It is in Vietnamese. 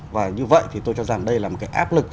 và như vậy thì tôi cho rằng đây là một cái áp lực